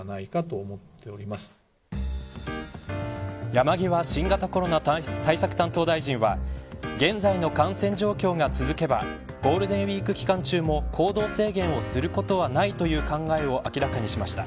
山際新型コロナ対策担当大臣は現在の感染状況が続けばゴールデンウイーク期間中も行動制限をすることはないという考えを明らかにしました。